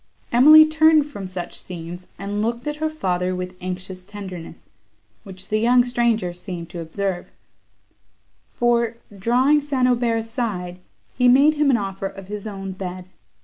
Emily turned from such scenes, and looked at her father with anxious tenderness, which the young stranger seemed to observe; for, drawing St. Aubert aside, he made him an offer of his own bed.